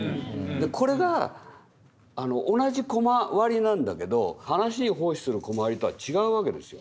これが同じコマ割りなんだけど話に奉仕するコマ割りとは違うわけですよ。